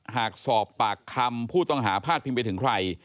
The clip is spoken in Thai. หากสอบปากคำผู้ต้องหาพาดพิงไปถึงใคร